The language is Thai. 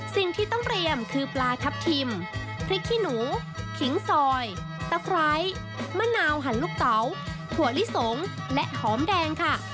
สิ่งที่ต้องเตรียมคือปลาทับทิมพริกขี้หนูขิงซอยตะไคร้มะนาวหันลูกเต๋าถั่วลิสงและหอมแดงค่ะ